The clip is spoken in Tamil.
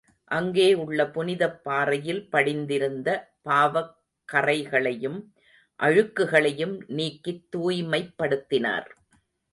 அங்கே உள்ள புனிதப் பாறையில் படிந்திருந்த பாவக் கறைகளையும், அழுக்குகளையும் நீக்கித் தூய்மைப்படுத்தினார்.